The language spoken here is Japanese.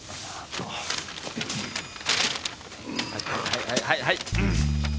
はいはいはいはい。